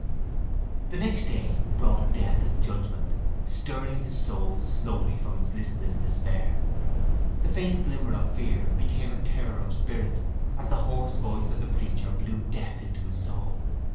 The next day brought death and judgement, stirring his soul slowly from its listless despair. The faint glimmer of fear became a terror of spirit as the hoarse voice of the preacher blew death into his soul.